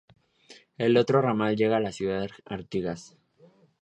El otro ramal llega a la ciudad de Artigas.